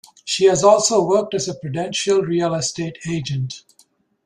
She has also worked as a Prudential real estate agent.